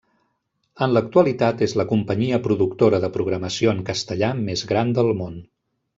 En l'actualitat és la companyia productora de programació en castellà més gran del món.